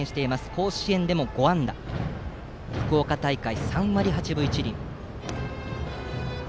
甲子園でも５安打福岡大会は３割８分１厘。